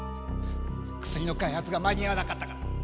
薬の開発が間に合わなかったから。